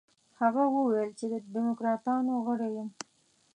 هغه وویل چې د دموکراتانو غړی یم.